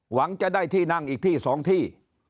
หวังจะได้ที่นั่งอีกที่๒ที่